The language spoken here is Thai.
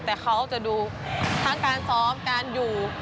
แต่เขาจะดูทั้งการซ้อมการอยู่